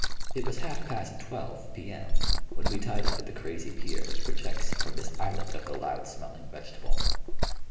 It was half past twelve, P.M., when we tied up at the crazy pier which projects from this islet of the loud smelling vegetable.